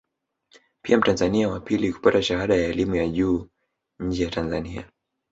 Pia mtanzania wa pili kupata shahada ya elimu ya juu nje ya Tanzania